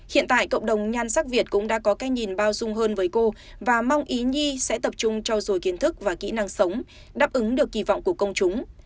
hiện tại cộng đồng nhan sắc việt cũng đã có cái nhìn bao dung hơn với cô và mong ý nhi sẽ tập trung trao dồi kiến thức và kỹ năng sống đáp ứng được kỳ vọng của công chúng